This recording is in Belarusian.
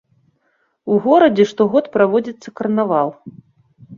У горадзе штогод праводзіцца карнавал.